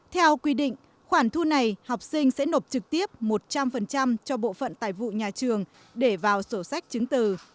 theo quy định khoản thu này học sinh sẽ nộp trực tiếp một trăm linh cho bộ phận tài vụ nhà trường để vào sổ sách chứng từ